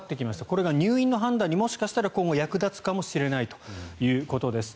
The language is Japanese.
これが入院の判断に今後もしかしたら役立つかもしれないということです。